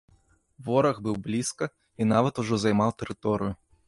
Вораг быў блізка і нават ужо займаў тэрыторыю.